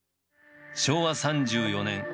昭和３４年。